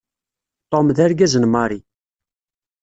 Tom d argaz n Mary.